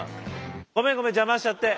ごめんごめん邪魔しちゃって。